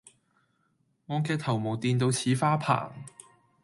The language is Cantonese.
我嘅頭毛電到似花棚